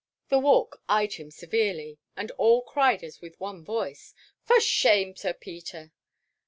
The Walk eyed him severely, and all cried as with one voice, "For shame, Sir Peter!"